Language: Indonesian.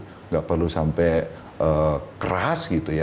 tidak perlu sampai keras gitu ya